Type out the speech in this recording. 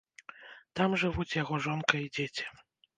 Там жывуць яго жонка і дзеці.